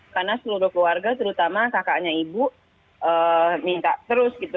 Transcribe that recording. karena seluruh keluarga terutama kakaknya ibu minta terus gitu